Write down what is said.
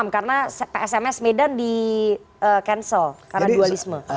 delapan puluh enam karena sms medan di cancel karena dualisme